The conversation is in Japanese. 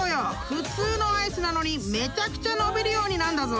普通のアイスなのにめちゃくちゃのびるようになんだぞ！］